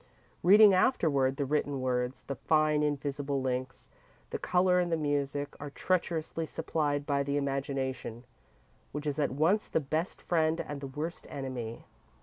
Reading afterward the written words, the fine invisible links, the colour and the music, are treacherously supplied by the imagination, which is at once the best friend and the worst enemy.